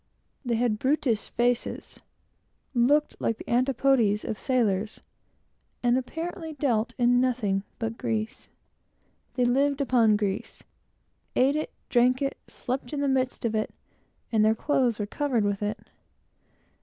They had brutish faces, looked like the antipodes of sailors, and apparently dealt in nothing but grease. They lived upon grease; eat it, drank it, slept in the midst of it, and their clothes were covered with it.